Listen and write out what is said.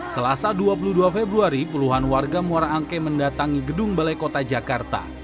selasa dua puluh dua februari puluhan warga muara angke mendatangi gedung balai kota jakarta